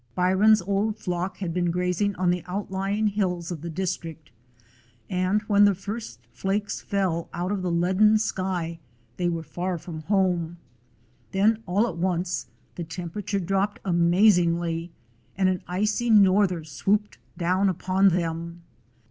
Byron's old flock had been grazing on the outlying hills of the dis trict, and when the first flakes fell out of the leaden sky they were far from home. Then all at once the temperature dropped amaz ingly, and an icy norther swooped down upon them.